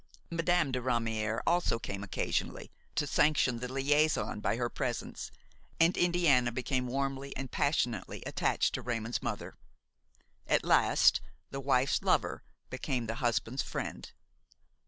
Madame de Ramière also came occasionally, to sanction the liaison by her presence, and Indiana became warmly and passionately attached to Raymon's mother. At last the wife's lover became the husband's friend.